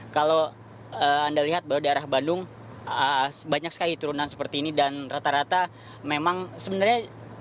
kalau anda lihat bahwa daerah bandung banyak sekali turunan seperti ini dan rata rata memang sebenarnya